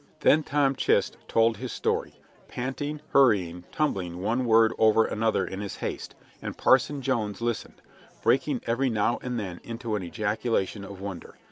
Then Tom Chist told his story, panting, hurrying, tumbling one word over another in his haste, and Parson Jones listened, breaking every now and then into an ejaculation of wonder.